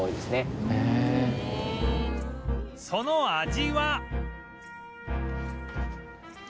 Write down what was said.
その味は